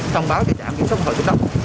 thông báo cho trạm kiểm soát biên phòng sông đốc